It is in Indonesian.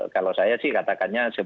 kalau saya sih katakannya